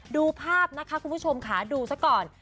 ดูภาพนะคะคุณผู้ชมค่ะดูซะก่อน